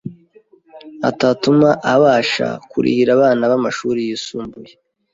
atatuma abasha kurihira abana be amashuri yisumbuye